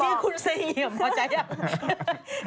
ชื่อคุณเสงี่ยมประจัยอย่าง